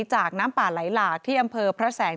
จากน้ำป่าไหลหลากที่อำเภอพระแสง